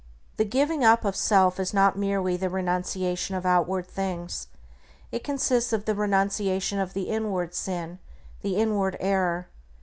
The giving up of self is not merely the renunciation of outward things. It consists of the renunciation of the inward sin, the inward error.